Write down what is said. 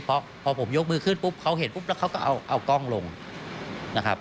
เพราะพอผมยกมือขึ้นปุ๊บเขาเห็นปุ๊บแล้วเขาก็เอากล้องลงนะครับ